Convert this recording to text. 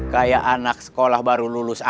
kayak anak sekolah baru lulus